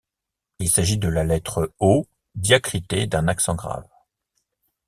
Il s’agit de la lettre O diacritée d'un accent grave.